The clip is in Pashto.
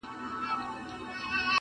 زړه د اسیا ومه ثاني جنت وم,